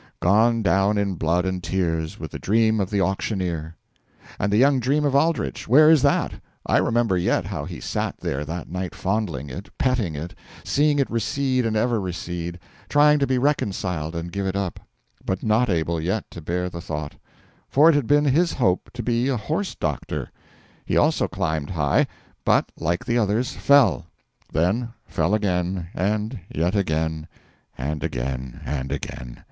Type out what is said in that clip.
Gone down in blood and tears with the dream of the auctioneer. And the young dream of Aldrich where is that? I remember yet how he sat there that night fondling it, petting it; seeing it recede and ever recede; trying to be reconciled and give it up, but not able yet to bear the thought; for it had been his hope to be a horse doctor. He also climbed high, but, like the others, fell; then fell again, and yet again, and again and again.